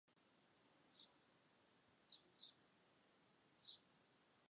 条纹细螯寄居蟹为活额寄居蟹科细螯寄居蟹属下的一个种。